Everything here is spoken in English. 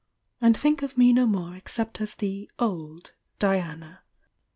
and thmk of me no more except as the W "Diana."